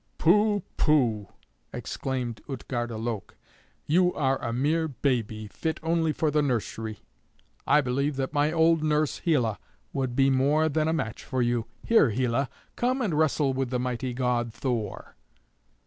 "Pooh! pooh!" exclaimed Utgarda Loke, "you are a mere baby, fit only for the nursery. I believe that my old nurse Hela would be more than a match for you. Here, Hela, come and wrestle with the mighty god Thor."